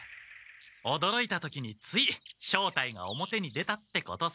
おどろいた時につい正体が表に出たってことさ。